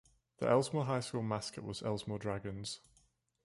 The Elsmore High School mascot was Elsmore Dragons.